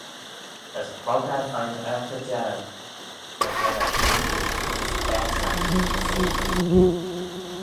As hrog ad veih'n aarkey jiarg: as ren ad campal ayns faasagh Sin.